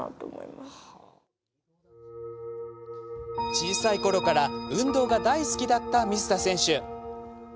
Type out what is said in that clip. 小さいころから運動が大好きだった水田選手。